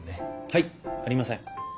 はいありません。